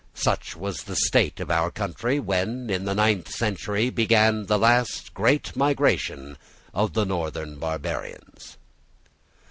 Such was the state of our country when, in the ninth century, began the last great migration of the northern barbarians.